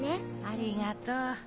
ありがとう。